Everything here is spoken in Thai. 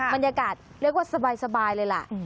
บรรยากาศเรียกว่าสบายเลยล่ะ